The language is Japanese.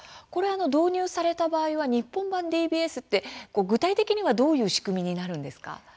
導入された場合は日本版ＤＢＳって具体的にはどういう仕組みになるんですか。